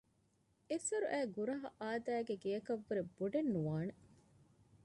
އެސޮރުއައި ގުރަހަ އާދައިގެ ގެއަކަށްވުރެ ބޮޑެއް ނުވާނެ